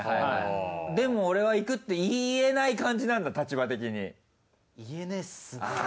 でも俺は行くって言えない感じなんだ立場的に。